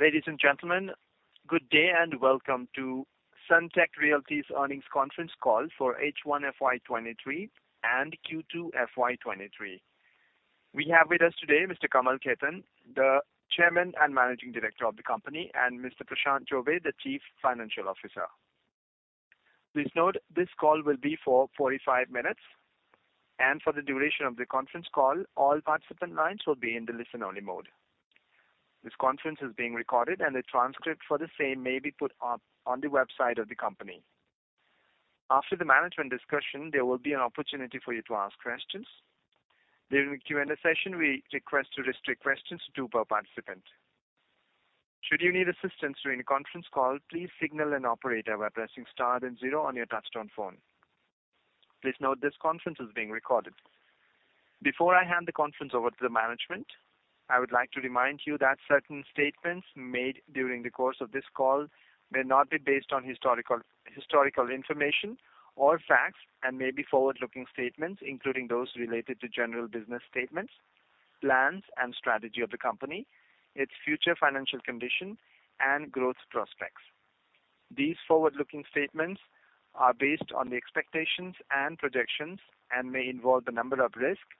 Ladies and gentlemen, good day and welcome to Sunteck Realty's earnings conference call for H1 FY 2023 and Q2 FY 2023. We have with us today Mr. Kamal Khetan, the Chairman and Managing Director of the company, and Mr. Prashant Chaubey, the Chief Financial Officer. Please note this call will be for 45 minutes, and for the duration of the conference call, all participant lines will be in the listen-only mode. This conference is being recorded and the transcript for the same may be put up on the website of the company. After the management discussion, there will be an opportunity for you to ask questions. During the Q&A session, we request to restrict questions to two per participant. Should you need assistance during the conference call, please signal an operator by pressing star then zero on your touchtone phone. Please note this conference is being recorded. Before I hand the conference over to the management, I would like to remind you that certain statements made during the course of this call may not be based on historical information or facts and may be forward-looking statements, including those related to general business statements, plans and strategy of the company, its future financial condition and growth prospects. These forward-looking statements are based on the expectations and projections and may involve a number of risks,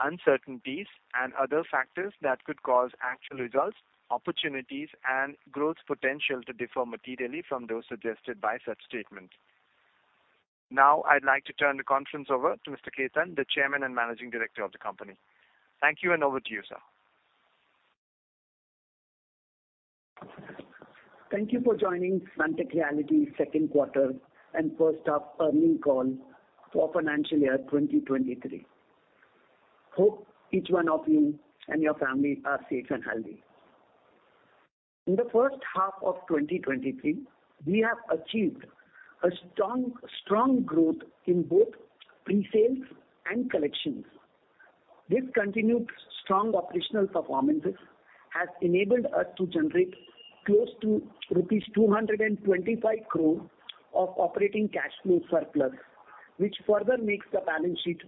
uncertainties and other factors that could cause actual results, opportunities and growth potential to differ materially from those suggested by such statements. Now I'd like to turn the conference over to Mr. Khetan, the Chairman and Managing Director of the company. Thank you, and over to you, sir. Thank you for joining Sunteck Realty's second quarter and first half earnings call for financial year 2023. Hope each one of you and your family are safe and healthy. In the first half of 2023, we have achieved a strong growth in both pre-sales and collections. This continued strong operational performance has enabled us to generate close to rupees 225 crore of operating cash flow surplus, which further makes the balance sheet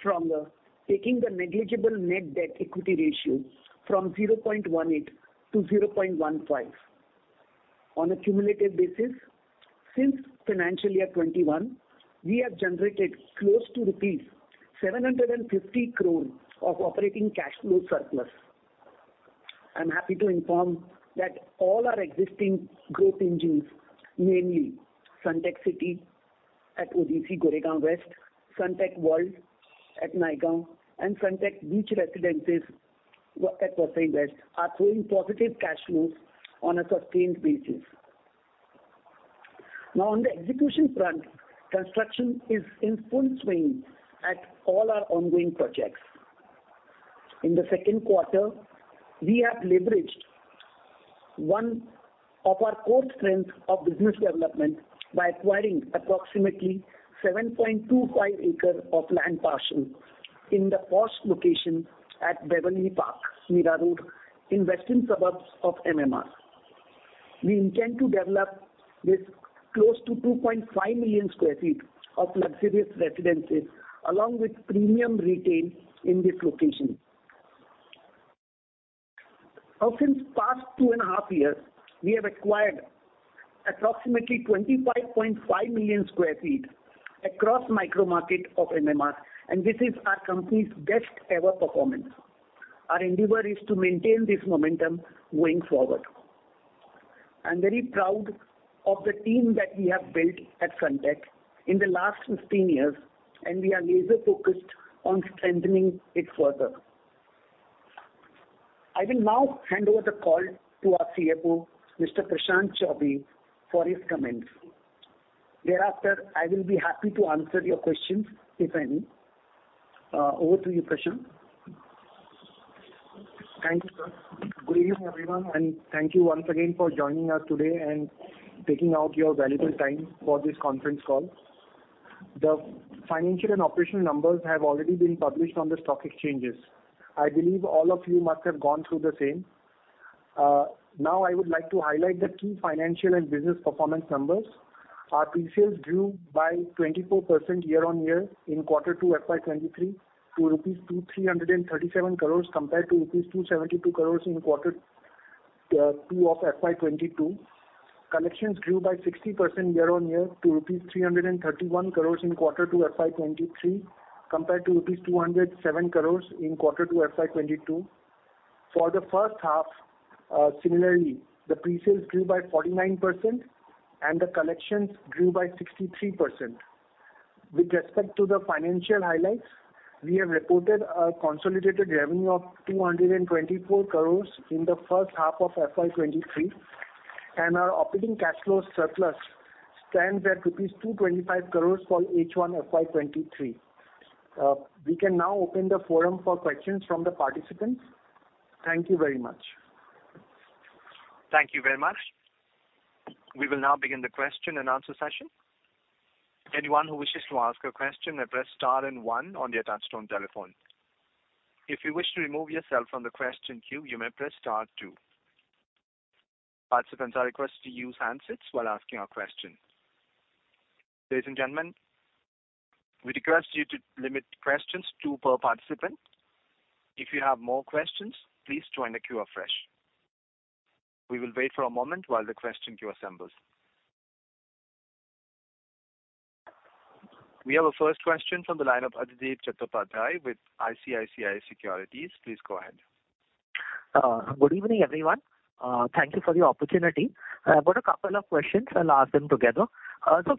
stronger, taking the negligible net debt equity ratio from 0.18 to 0.15. On a cumulative basis, since financial year 2021, we have generated close to rupees 750 crore of operating cash flow surplus. I'm happy to inform that all our existing growth engines, namely Sunteck City at ODC Goregaon West, Sunteck World at Naigaon and Sunteck Beach Residences at Vasai West, are throwing positive cash flows on a sustained basis. Now on the execution front, construction is in full swing at all our ongoing projects. In the second quarter, we have leveraged one of our core strengths of business development by acquiring approximately 7.25 acres of land parcel in the posh location at Beverly Park, Mira Road in western suburbs of MMR. We intend to develop this close to 2.5 million sq ft of luxurious residences along with premium retail in this location. Now since past two and a half years, we have acquired approximately 25.5 million sq ft across micro market of MMR, and this is our company's best ever performance. Our endeavor is to maintain this momentum going forward. I'm very proud of the team that we have built at Sunteck in the last 15 years, and we are laser-focused on strengthening it further. I will now hand over the call to our CFO, Mr. Prashant Chaubey, for his comments. Thereafter, I will be happy to answer your questions if any. Over to you, Prashant. Thank you, sir. Good evening, everyone, and thank you once again for joining us today and taking out your valuable time for this conference call. The financial and operational numbers have already been published on the stock exchanges. I believe all of you must have gone through the same. Now I would like to highlight the key financial and business performance numbers. Our pre-sales grew by 24% year-on-year in quarter two FY 2023 to rupees 337 crore compared to rupees 272 crore in quarter two of FY 2022. Collections grew by 60% year-on-year to rupees 331 crore in quarter two FY 2023 compared to rupees 207 crore in quarter two FY 2022. For the first half, similarly, the pre-sales grew by 49% and the collections grew by 63%. With respect to the financial highlights, we have reported a consolidated revenue of 224 crores in the first half of FY 2023, and our operating cash flow surplus stands at rupees 225 crores for H1 FY 2023. We can now open the forum for questions from the participants. Thank you very much. Thank you very much. We will now begin the question-and-answer session. Anyone who wishes to ask a question, press star and one on your touchtone telephone. If you wish to remove yourself from the question queue, you may press star-two. Participants are requested to use handsets while asking a question. Ladies and gentlemen, we request you to limit to two questions per participant. If you have more questions, please join the queue afresh. We will wait for a moment while the question queue assembles. We have a first question from the line of Adhidev Chattopadhyay with ICICI Securities. Please go ahead. Good evening, everyone. Thank you for the opportunity. I've got a couple of questions. I'll ask them together.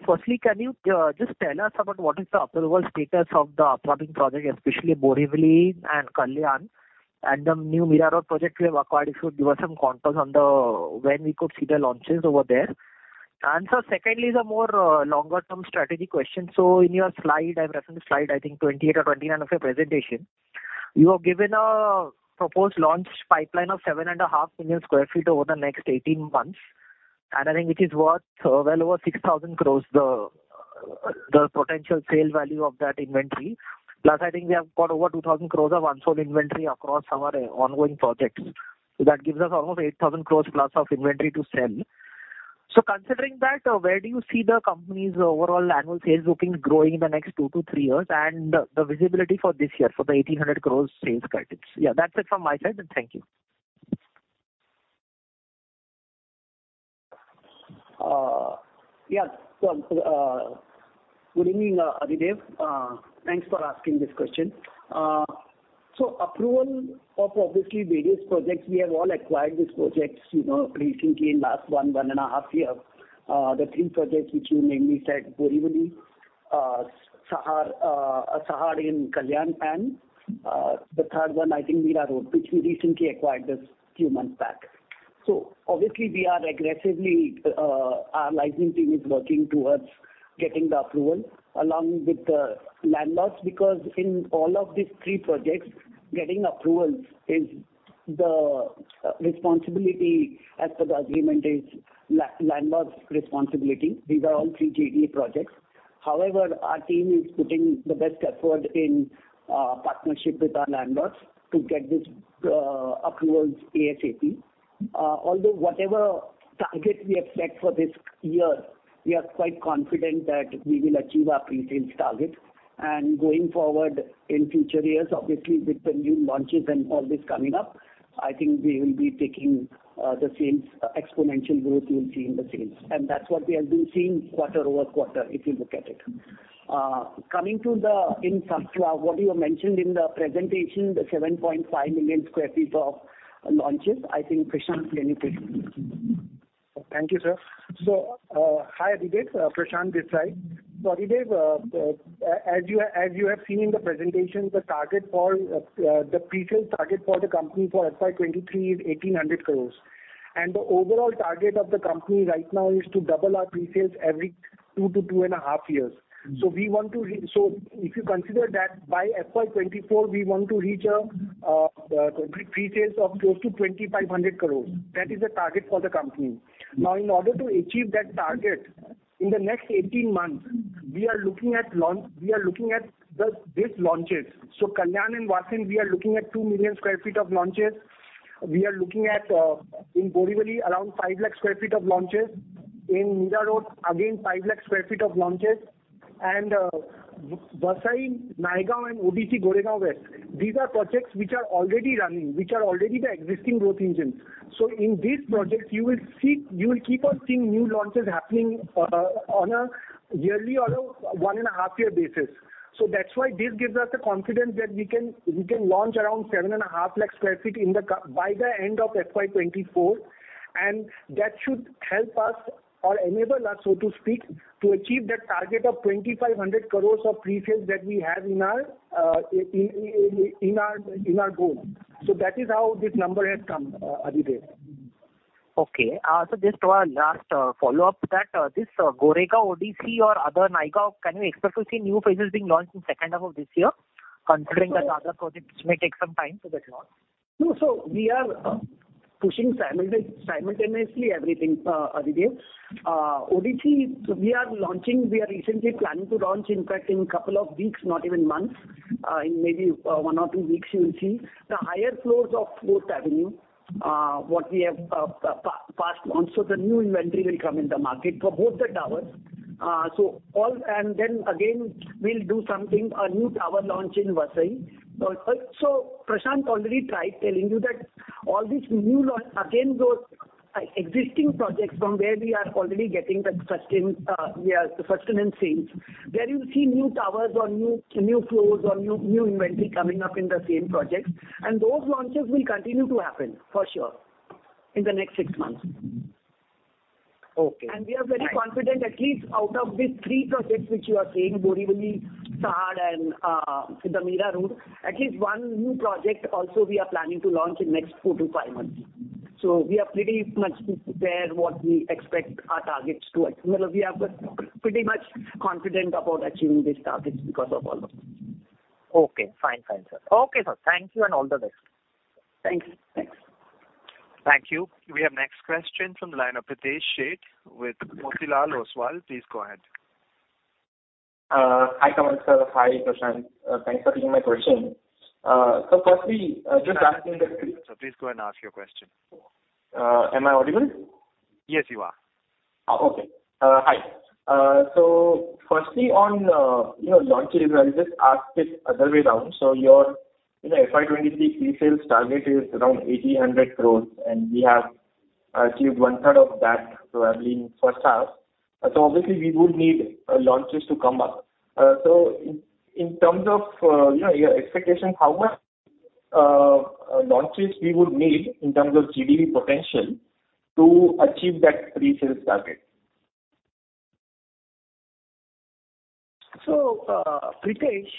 First, can you just tell us about what is the approval status of the upcoming project, especially Borivali and Kalyan and the new Mira Road project we've acquired. If you could give us some contours on when we could see the launches over there. Secondly, is a more longer-term strategy question. In your slide I reference, I think 28 or 29 of your presentation. You have given a proposed launch pipeline of 7.5 million sq ft over the next 18 months. I think it is worth well over 6,000 crores, the potential sale value of that inventory. Plus, I think we have got over 2,000 crores of unsold inventory across our ongoing projects. That gives us almost 8,000 crore plus of inventory to sell. Considering that, where do you see the company's overall annual sales bookings growing in the next two to three years and the visibility for this year for the 1,800 crore sales guidance? Yeah, that's it from my side, and thank you. Good evening, Adhidev. Thanks for asking this question. Approval of obviously various projects, we have all acquired these projects, you know, recently in last one and half years. The three projects which you mainly said, Borivali, Sahar in Kalyan, Panvel. The third one, I think Mira Road, which we recently acquired just few months back. Obviously we are aggressively, our licensing team is working towards getting the approval along with the landlords, because in all of these three projects, getting approvals is the responsibility as per the agreement is the landlord's responsibility. These are all three JDA projects. However, our team is putting the best effort in partnership with our landlords to get these approvals ASAP. Although whatever target we have set for this year, we are quite confident that we will achieve our pre-sales target. Going forward in future years, obviously, with the new launches and all this coming up, I think we will be taking, the sales exponential growth we will see in the sales. That's what we have been seeing quarter-over-quarter, if you look at it. Coming to the infrastructure, what you have mentioned in the presentation, the 7.5 million sq ft of launches, I think Prashant can introduce. Thank you, sir. Hi Adhidev, Prashant Chaubey. Adhidev, as you have seen in the presentation, the target for the pre-sales target for the company for FY 2023 is 1,800 crore. The overall target of the company right now is to double our pre-sales every two to two and half years. If you consider that by FY 2024, we want to reach pre-sales of close to 2,500 crore. That is the target for the company. Now, in order to achieve that target, in the next 18 months, we are looking at these launches. Kalyan and Vasai, we are looking at 2 million sq ft of launches. We are looking at in Borivali, around 5 lakh sq ft of launches. In Mira Road, 5 lakh sq ft of launches. Vasai, Naigaon and ODC, Goregaon West, these are projects which are already running, which are already the existing growth engines. In these projects you will see, you will keep on seeing new launches happening on a yearly or a one and half year basis. That's why this gives us the confidence that we can launch around 7.5 lakh sq ft by the end of FY 2024. That should help us or enable us, so to speak, to achieve that target of 2,500 crores of pre-sales that we have in our goal. That is how this number has come, Adhidev. Okay. Just to our last follow-up to that, this Goregaon ODC or other Naigaon, can we expect to see new phases being launched in second half of this year? Considering that the other projects may take some time to get launched. No. We are pushing simultaneously everything, Adhidev. ODC, we are launching. We are recently planning to launch, in fact, in a couple of weeks, not even months, in maybe one or two weeks you will see. The higher floors of Fourth Avenue, what we have passed on. The new inventory will come in the market for both the towers. We'll do something, a new tower launch in Vasai. Prashant already tried telling you that all these new launches, again, those existing projects from where we are already getting the sustenance sales. There you see new towers or new floors or new inventory coming up in the same projects. Those launches will continue to happen for sure in the next six months. We are very confident at least out of these three projects which you are saying, Borivali, Vasai and, the Mira Road, at least one new project also we are planning to launch in next four to five months. We are pretty much there what we expect our targets to achieve. Well, we are pretty much confident about achieving these targets because of all of them. Okay. Fine. Fine, sir. Okay, sir. Thank you and all the best. Thank you. Thanks. Thank you. We have next question from the line of Pritesh Sheth with Motilal Oswal. Please go ahead. Hi, Kamal sir. Hi, Prashant. Thanks for taking my question. Please go and ask your question. Am I audible? Yes, you are. Hi. Firstly on, you know, launches, I'll just ask it other way around. Your, you know, FY 2023 pre-sales target is around 1,800 crore, and we have achieved one third of that probably in first half. Obviously we would need launches to come up. In terms of, you know, your expectation, how much launches we would need in terms of GDV potential to achieve that pre-sales target? Pritesh,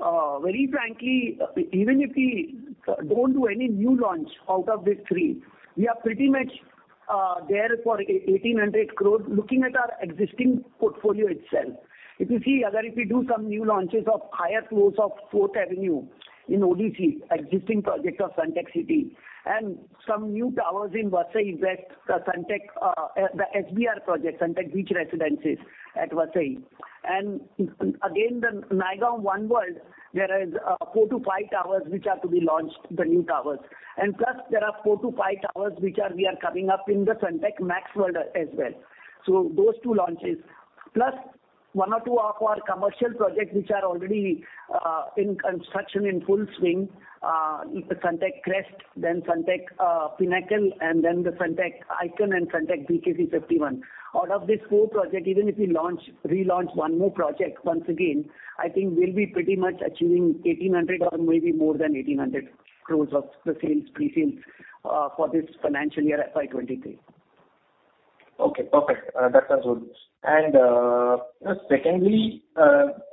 very frankly, even if we don't do any new launch out of these three, we are pretty much there for 1,800 crore looking at our existing portfolio itself. If you see, if we do some new launches of higher floors of Fourth Avenue in Oshiwara, existing project of Sunteck City, and some new towers in Vasai that the SBR project, Sunteck Beach Residences at Vasai. Again, the Naigaon Sunteck OneWorld, there is four to five towers which are to be launched, the new towers. Plus there are four to five towers which we are coming up in the Sunteck MaxXWorld as well. Those two launches, plus one or two of our commercial projects which are already in construction in full swing, Sunteck Crest, then Sunteck Pinnacle, and then the Sunteck Icon and Sunteck BKC51. Out of these four projects, even if we launch, relaunch one more project once again, I think we'll be pretty much achieving 1,800 crore or maybe more than 1,800 crore of the sales, pre-sales, for this financial year FY 2023. Okay, perfect. That sounds good. Secondly,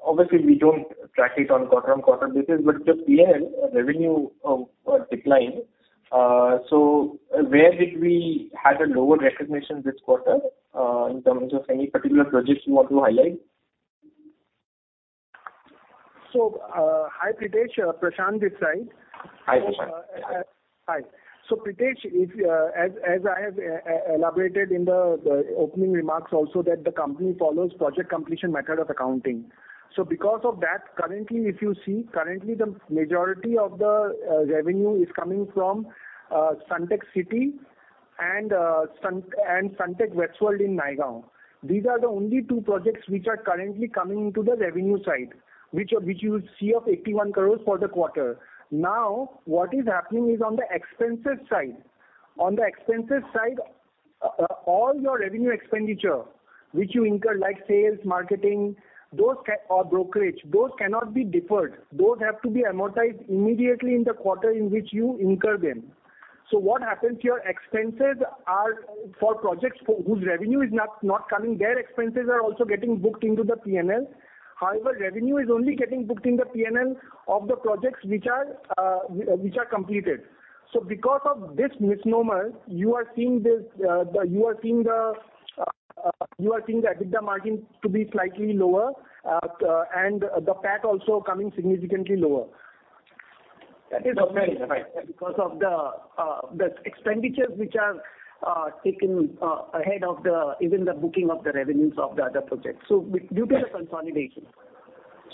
obviously we don't track it on quarter-on-quarter basis, but the P&L revenue decline, so where did we have a lower recognition this quarter, in terms of any particular projects you want to highlight? Hi, Pritesh. Prashant this side. Hi, Prashant. Hi. Pritesh, if, as I have elaborated in the opening remarks also that the company follows Project Completion Method of accounting. Because of that, currently if you see, currently the majority of the revenue is coming from Sunteck City and Sunteck WestWorld in Naigaon. These are the only two projects which are currently coming into the revenue side, which you'll see of 81 crore for the quarter. Now, what is happening is on the expenses side. On the expenses side, all your revenue expenditure which you incur, like sales, marketing, those or brokerage, those cannot be deferred. Those have to be amortized immediately in the quarter in which you incur them. What happens, your expenses are for projects for whose revenue is not coming, their expenses are also getting booked into the P&L. However, revenue is only getting booked in the P&L of the projects which are completed. Because of this misnomer, you are seeing the EBITDA margin to be slightly lower, and the PAT also coming significantly lower because of the expenditures which are taken ahead of even the booking of the revenues of the other projects, due to the consolidation.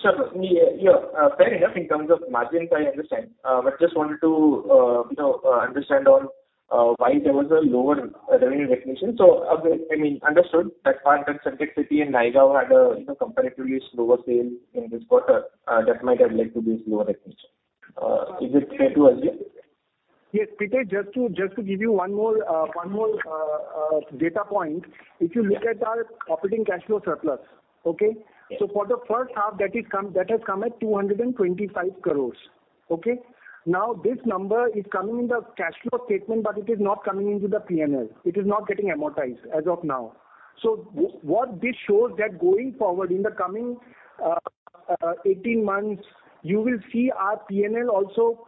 Sure. Yeah. Fair enough. In terms of margins, I understand. Just wanted to, you know, understand on why there was a lower revenue recognition. I mean understood that part that Sunteck City and Naigaon had a, you know, comparatively slower sales in this quarter, that might have led to this lower recognition. Is it fair to assume? Yes. Pritesh, just to give you one more data point. If you look at our operating cash flow surplus, okay? For the first half that has come at 225 crore. Okay. Now, this number is coming in the cash flow statement, but it is not coming into the P&L. It is not getting amortized as of now. This shows that going forward in the coming 18 months, you will see our P&L also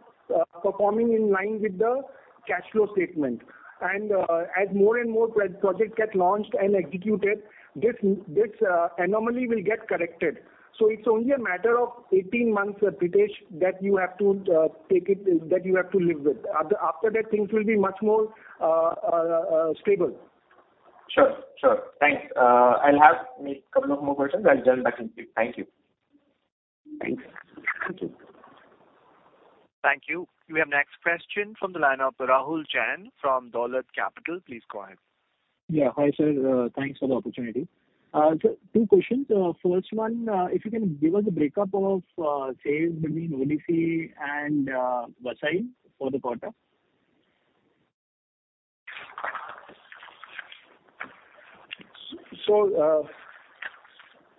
performing in line with the cash flow statement. As more and more projects get launched and executed, this anomaly will get corrected. It's only a matter of 18 months, Pritesh, that you have to take it, that you have to live with. After that, things will be much more stable. Sure. Thanks. I'll have couple of more questions. I'll join back in queue. Thank you. Thanks. Thank you. We have next question from the line of Rahul Jain from Dolat Capital. Please go ahead. Yeah. Hi, sir. Thanks for the opportunity. So two questions. First one, if you can give us a breakup of sales between ODC and Vasai for the quarter?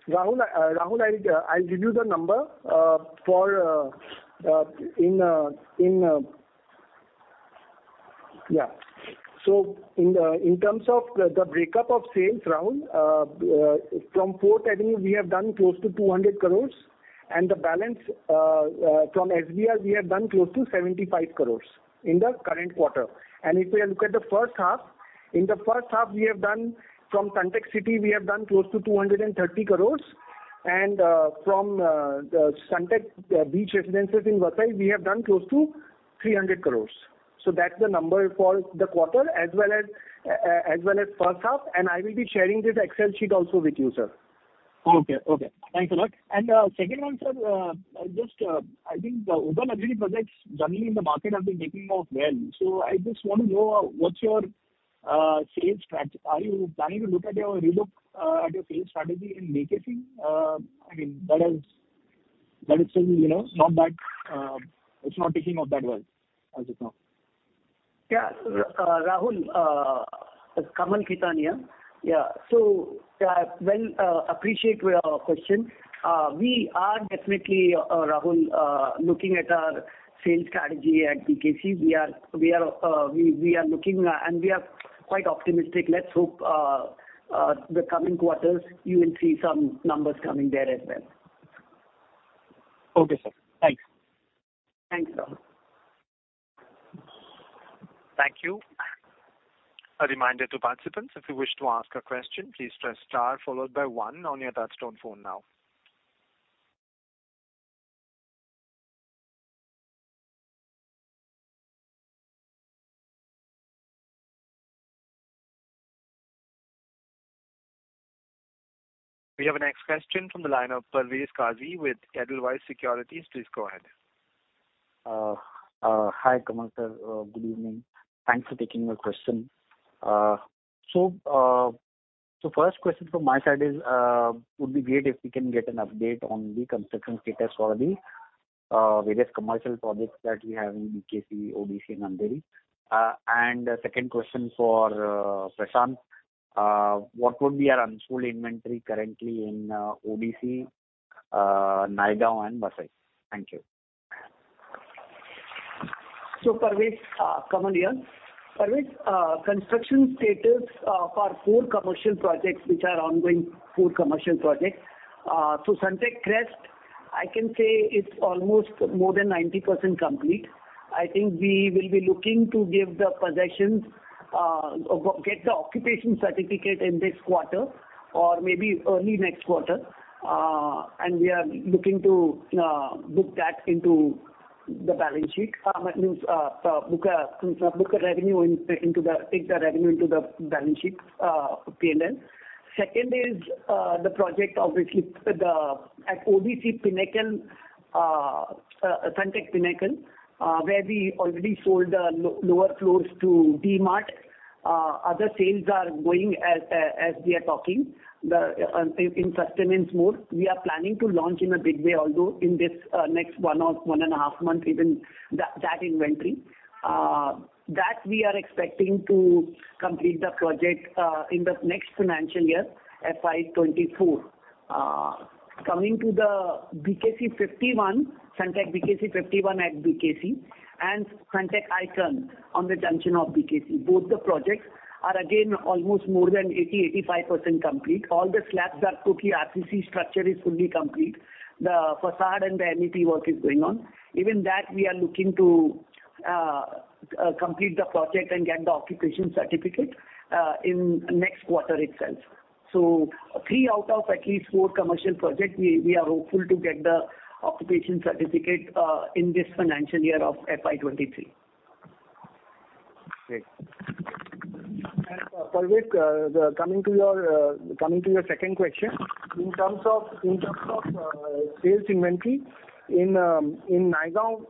Rahul, I'll give you the number in terms of the breakdown of sales, Rahul, from Fourth Avenue, we have done close to 200 crore and the balance from SBR we have done close to 75 crore in the current quarter. If we look at the first half, in the first half we have done from Sunteck City close to 230 crore and from the Sunteck Beach Residences in Vasai, we have done close to 300 crore. That's the number for the quarter as well as first half, and I will be sharing this Excel sheet also with you, sir. Okay. Thanks a lot. Second one, sir, just I think the urban projects generally in the market have been taking off well. I just wanna know what's your sales strategy. Are you planning to relook at your sales strategy in BKC? I mean, that is still, you know, not that it's not taking off that well as of now. Yeah. Rahul, it's Kamal Khetan. Yeah. Well, appreciate your question. We are definitely, Rahul, looking at our sales strategy at BKC. We are looking and we are quite optimistic. Let's hope the coming quarters you will see some numbers coming there as well. Okay, sir. Thanks. Thanks, Rahul. Thank you. A reminder to participants, if you wish to ask a question, please press star followed by one on your touchtone phone now. We have a next question from the line of Parvez Qazi with Edelweiss Securities. Please go ahead. Hi, Kamal sir. Good evening. Thanks for taking my question. First question from my side is would be great if we can get an update on the construction status for the various commercial projects that we have in BKC, ODC, and Andheri. Second question for Prashant, what would be our unsold inventory currently in ODC, Naigaon and Vasai? Thank you. Parvez, Kamal here. Parvez, construction status for four commercial projects which are ongoing. Sunteck Crest, I can say it's almost more than 90% complete. I think we will be looking to give the possessions or get the occupation certificate in this quarter or maybe early next quarter. We are looking to book that into the balance sheet. That means, take the revenue into the balance sheet, P&L. Second is the project at ODC Pinnacle, Sunteck Pinnacle, where we already sold lower floors to DMart. Other sales are going as we are talking, in sustenance mode. We are planning to launch in a big way, although in this next one or one and a half months even that inventory that we are expecting to complete the project in the next financial year, FY 2022. Coming to the BKC51, Sunteck BKC51 at BKC and Sunteck Icon on the junction of BKC. Both the projects are again almost more than 85% complete. All the slabs are cast, the RCC structure is fully complete. The façade and the MEP work is going on. Even that we are looking to complete the project and get the occupation certificate in next quarter itself. Three out of at least four commercial projects we are hopeful to get the occupation certificate in this financial year of FY 2023. Great. Parvez, coming to your second question, in terms of sales inventory in Naigaon,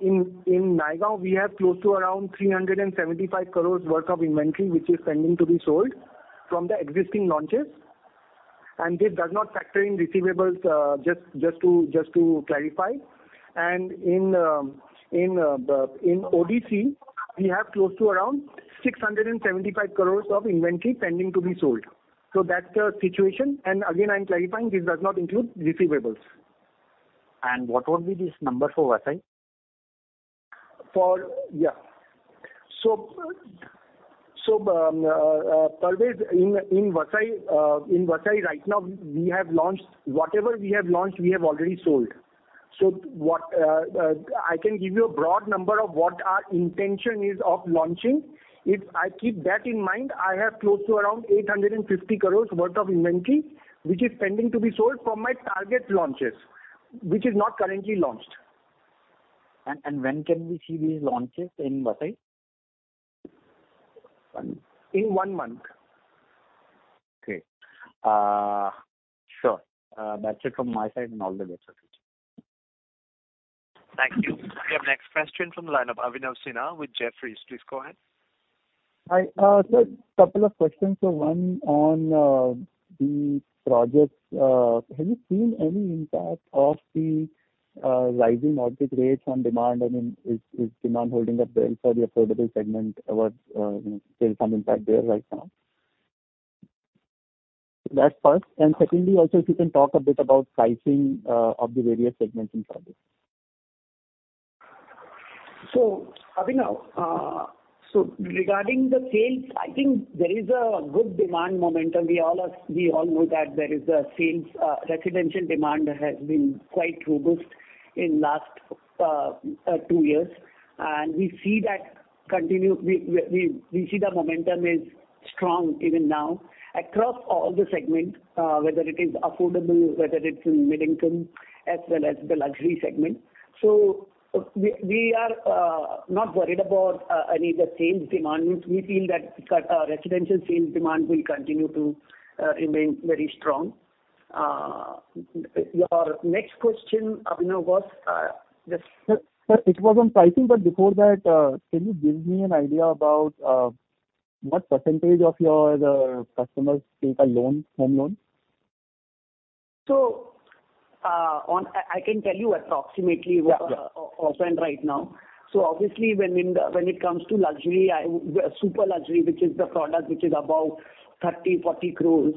we have close to around 375 crores worth of inventory, which is pending to be sold from the existing launches. This does not factor in receivables, just to clarify. In ODC, we have close to around 675 crores of inventory pending to be sold. That's the situation. Again, I'm clarifying this does not include receivables. What would be this number for Vasai? Parvez Qazi, in Vasai right now we have launched whatever we have launched, we have already sold. I can give you a broad number of what our intention is of launching. If I keep that in mind, I have close to around 850 crores worth of inventory, which is pending to be sold from my target launches, which is not currently launched. When can we see these launches in Vasai? In one month. Okay. Sure. That's it from my side and all the best for future. Thank you. We have next question from the line of Abhinav Sinha with Jefferies. Please go ahead. Hi. Sir, couple of questions. One on the projects. Have you seen any impact of the rising mortgage rates on demand? I mean, is demand holding up well for the affordable segment? You know, there's some impact there right now? That's first. Secondly, also if you can talk a bit about pricing of the various segments in projects. Abhinav, regarding the sales, I think there is a good demand momentum. We all know that there is a sales residential demand has been quite robust in last two years. We see the momentum is strong even now across all the segment, whether it is affordable, whether it's in mid-income, as well as the luxury segment. We are not worried about any of the sales demands. We feel that residential sales demand will continue to remain very strong. Your next question, Abhinav, was? Sir, it was on pricing, but before that, can you give me an idea about what percentage of your customers take a loan, home loan? I can tell you approximately what percent right now. Obviously when it comes to luxury, super luxury, which is the product which is above 30 crore- 40 crore,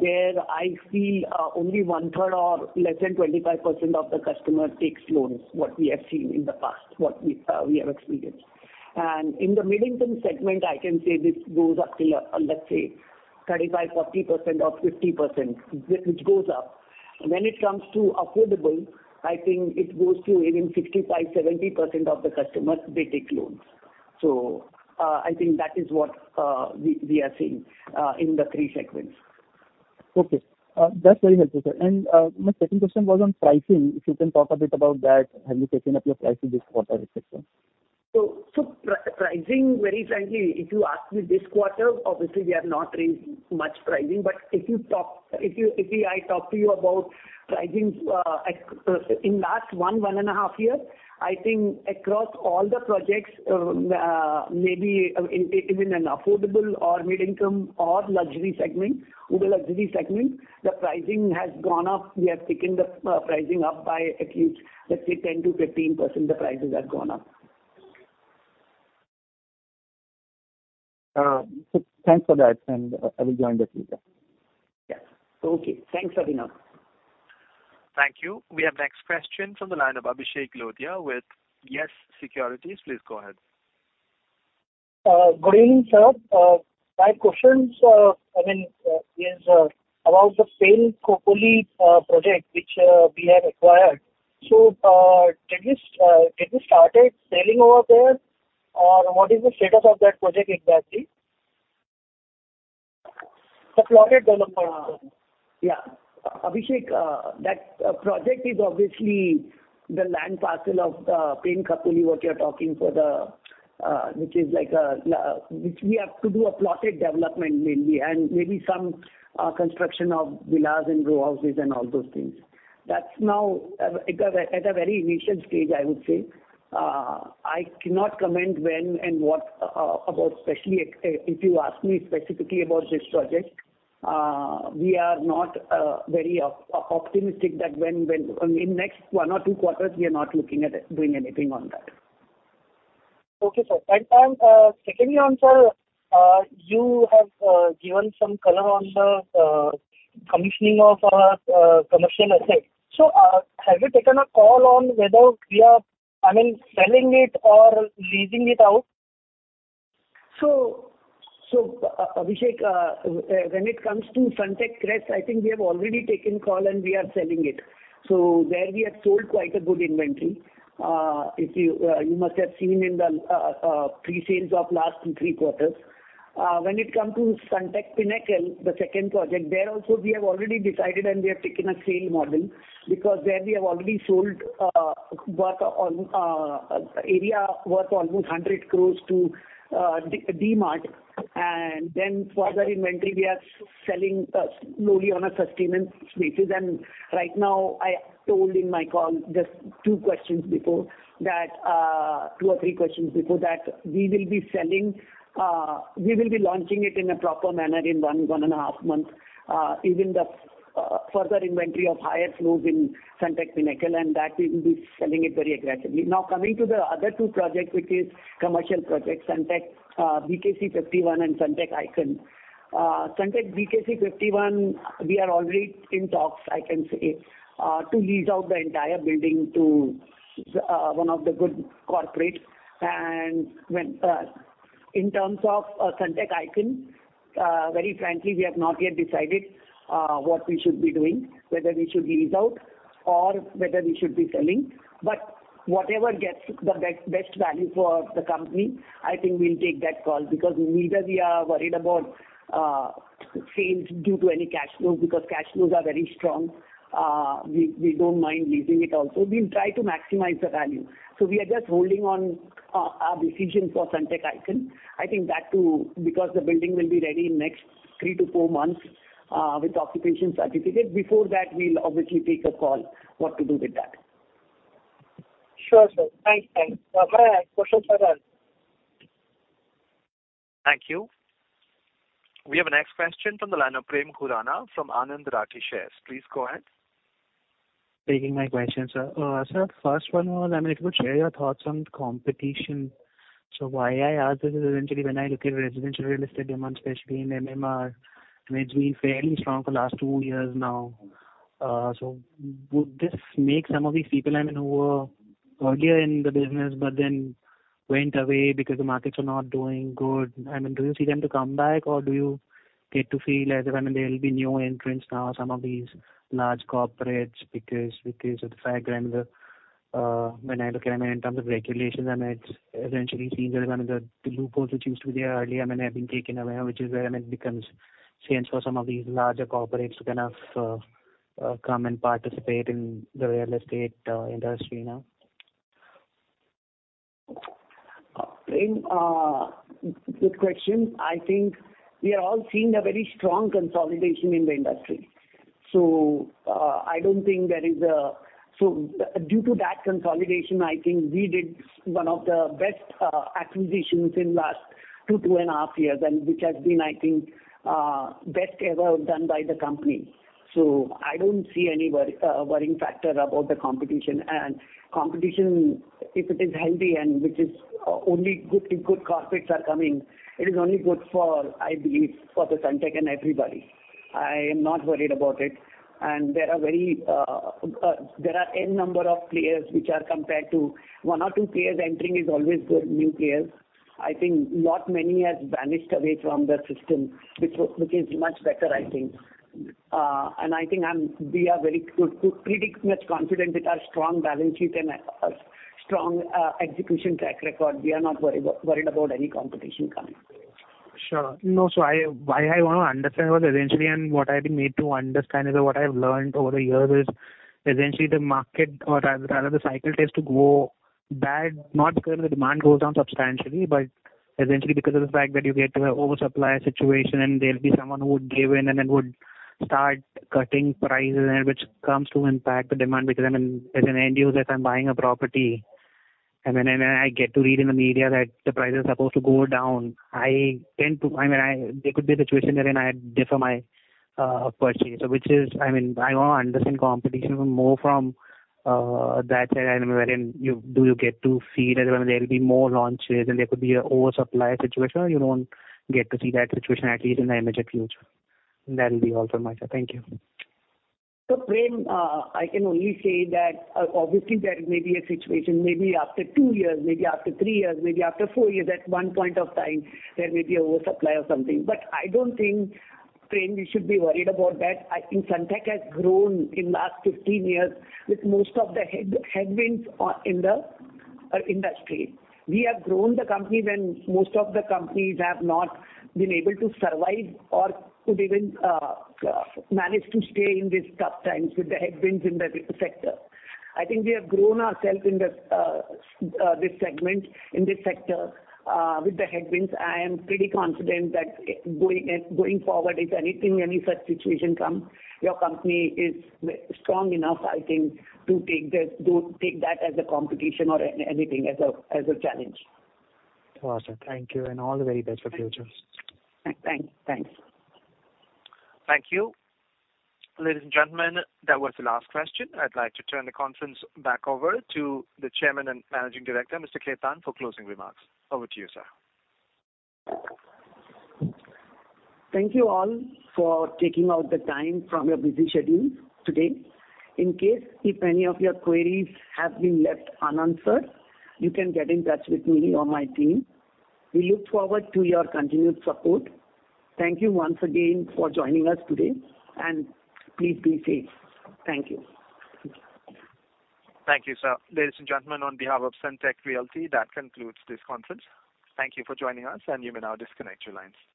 there I feel only one-third or less than 25% of the customer takes loans, what we have seen in the past, what we have experienced. In the mid-income segment, I can say this goes up to, let's say 35%, 40% or 50%, which goes up. When it comes to affordable, I think it goes to even 65%, 70% of the customers, they take loans. I think that is what we are seeing in the three segments. Okay. That's very helpful, sir. My second question was on pricing. If you can talk a bit about that. Have you taken up your pricing this quarter etc.? Pricing, very frankly, if you ask me this quarter, obviously we have not raised much pricing. If I talk to you about pricing in the last one and a half years, I think across all the projects, maybe in an affordable or mid-income or luxury segment, with the luxury segment, the pricing has gone up. We have taken the pricing up by at least, let's say 10%-15%, the prices have gone up. Thanks for that, and I will join the queue, yeah. Yes. Okay. Thanks, Abhinav. Thank you. We have next question from the line of Abhishek Lodhiya with Yes Securities. Please go ahead. Good evening, sir. My questions, I mean, is about the Pen-Khopoli project which we have acquired. Did you start selling over there or what is the status of that project exactly? The plotted development. Abhishek, that project is obviously the land parcel of the Pen-Khopoli, what you're talking for the, which we have to do a plotted development mainly, and maybe some construction of villas and row houses and all those things. That's now at a very initial stage, I would say. I cannot comment when and what about, especially if you ask me specifically about this project. We are not very optimistic that when in next one or two quarters, we are not looking at doing anything on that. Okay, sir. Secondly also, you have given some color on the commissioning of commercial asset. Have you taken a call on whether we are, I mean, selling it or leasing it out? Abhishek, when it comes to Sunteck Crest, I think we have already taken call and we are selling it. There we have sold quite a good inventory. If you must have seen in the pre-sales of last three quarters. When it come to Sunteck Pinnacle, the second project, there also we have already decided and we have taken a sale model because there we have already sold area worth almost 100 crores to DMart. Then further inventory we are selling slowly on a sustainment basis. Right now, I told in my call just two or three questions before that, we will be selling, we will be launching it in a proper manner in one and a half month. Even the further inventory of higher floors in Sunteck Pinnacle, and that we will be selling it very aggressively. Now, coming to the other two projects, which are commercial projects, Sunteck BKC51 and Sunteck Icon. Sunteck BKC51, we are already in talks, I can say, to lease out the entire building to one of the good corporates. In terms of Sunteck Icon, very frankly, we have not yet decided what we should be doing, whether we should lease out or whether we should be selling. Whatever gets the best value for the company, I think we'll take that call because neither we are worried about sales due to any cash flows, because cash flows are very strong. We don't mind leasing it also. We'll try to maximize the value. We are just holding on our decision for Sunteck Icon. I think that too, because the building will be ready in next three to four months with occupation certificate. Before that, we'll obviously take a call what to do with that. Sure, sir. Thanks. My questions are done. Thank you. We have our next question from the line of Prem Khurana from Anand Rathi Shares. Please go ahead. Taking my question, sir. Sir, first one was, I mean, if you could share your thoughts on competition. Why I ask this is essentially when I look at residential real estate demand, especially in MMR, which has been fairly strong for last two years now. Would this make some of these people, I mean, who were earlier in the business but then went away because the markets were not doing good? I mean, do you see them to come back or do you get to feel as if, I mean, there will be new entrants now, some of these large corporates because of the fragmented, when I look at them in terms of regulations, I mean, it's essentially seen that the loopholes which used to be there earlier may have been taken away, which is where it makes sense for some of these larger corporates to kind of come and participate in the real estate industry now. Prem, good question. I think we are all seeing a very strong consolidation in the industry. Due to that consolidation, I think we did one of the best acquisitions in last two and a half years, and which has been, I think, best ever done by the company. I don't see any worrying factor about the competition. Competition, if it is healthy and which is only good, if good corporates are coming, it is only good for, I believe, for the Sunteck and everybody. I am not worried about it. There are N number of players which are compared to one or two players. Entering is always good, new players. I think not many has vanished away from the system, which is much better, I think. I think we are very pretty much confident with our strong balance sheet and a strong execution track record. We are not worried about any competition coming. Sure. No. I wanna understand because eventually and what I've been made to understand is that what I've learned over the years is essentially the market or rather the cycle tends to go bad, not because the demand goes down substantially, but essentially because of the fact that you get to have oversupply situation and there'll be someone who would give in and then would start cutting prices, which comes to impact the demand. Because, I mean, as an end user, if I'm buying a property and then I get to read in the media that the price is supposed to go down, I mean, there could be a situation wherein I defer my purchase, I mean, I want to understand competition more from that side. I mean, wherein you do get to feel that there will be more launches and there could be an oversupply situation, or you don't get to see that situation, at least in the immediate future. That will be all from my side. Thank you. Prem, I can only say that, obviously there may be a situation, maybe after two years, maybe after three years, maybe after four years, at one point of time, there may be an oversupply of something. But I don't think, Prem, we should be worried about that. I think Sunteck has grown in last 15 years with most of the headwinds or in the industry. We have grown the company when most of the companies have not been able to survive or could even manage to stay in these tough times with the headwinds in the sector. I think we have grown ourself in this segment, in this sector with the headwinds. I am pretty confident that going forward, if anything, any such situation comes, your company is strong enough, I think, to take that as a competition or anything as a challenge. Awesome. Thank you and all the very best for future. Thanks. Thank you. Ladies and gentlemen, that was the last question. I'd like to turn the conference back over to the Chairman and Managing Director, Mr. Khetan, for closing remarks. Over to you, sir. Thank you all for taking out the time from your busy schedule today. In case if any of your queries have been left unanswered, you can get in touch with me or my team. We look forward to your continued support. Thank you once again for joining us today, and please be safe. Thank you. Thank you, sir. Ladies and gentlemen, on behalf of Sunteck Realty, that concludes this conference. Thank you for joining us, and you may now disconnect your lines.